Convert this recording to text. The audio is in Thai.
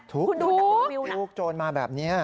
ทุกข์ทุกข์ทุกข์โจรมาแบบนี้